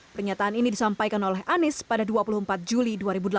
pernyataan ini disampaikan oleh anies pada dua puluh empat juli dua ribu delapan belas